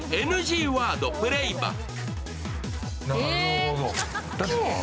ＮＧワード、プレイバック。